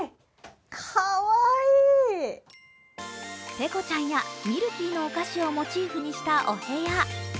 ペコちゃんやミルキーのお菓子をモチーフにしたお部屋。